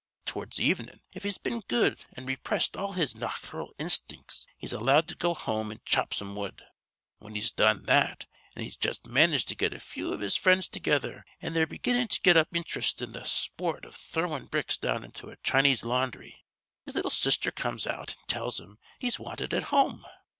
To'rds evenin' if he's been good an' repressed all his nacharal instincts he's allowed to go home an' chop some wood. Whin he's done that an' has just managed to get a few iv his frinds together an' they're beginnin' to get up interest in th' spoort iv throwin' bricks down into a Chinese laundhry his little sister comes out an' tells him he's wanted at home.